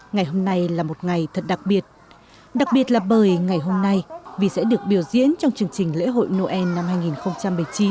ngày hôm nay là một ngày thật đặc biệt đặc biệt là bởi ngày hôm nay vì sẽ được biểu diễn trong chương trình lễ hội noel năm hai nghìn một mươi chín